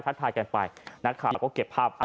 ทายกันไปนักข่าวก็เก็บภาพ